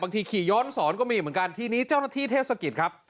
ขี่ย้อนสอนก็มีเหมือนกันทีนี้เจ้าหน้าที่เทศกิจครับ